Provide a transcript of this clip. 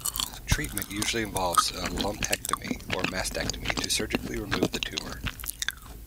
Treatment usually involves a lumpectomy or mastectomy to surgically remove the tumour.